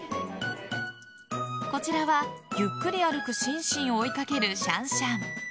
こちらはゆっくり歩くシンシンを追いかけるシャンシャン。